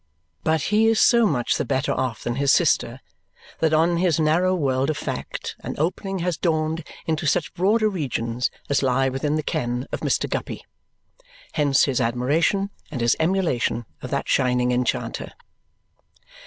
But he is so much the better off than his sister that on his narrow world of fact an opening has dawned into such broader regions as lie within the ken of Mr. Guppy. Hence his admiration and his emulation of that shining enchanter.